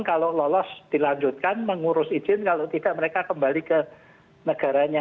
kalau lolos dilanjutkan mengurus izin kalau tidak mereka kembali ke negaranya